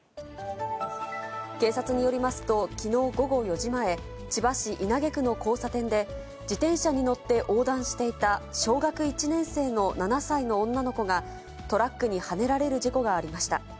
警察によりますと、きのう午後４時前、千葉市稲毛区の交差点で、自転車に乗って横断していた小学１年生の７歳の女の子が、トラックにはねられる事故がありました。